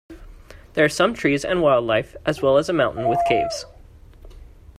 There are some trees and wildlife as well as a mountain with caves.